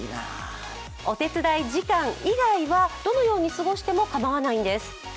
お手伝い時間以外は、どのように過ごしても構わないんです。